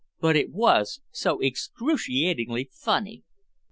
But it was so excruciatingly funny."